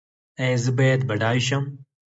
ایا زه باید بډای شم؟